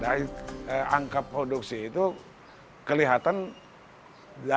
dari angka produksi itu kelihatan dari angka produksi itu kelihatan dari